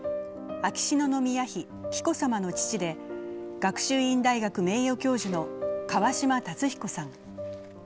秋篠宮妃・紀子さまの父で学習院大学名誉教授の川嶋辰彦さん。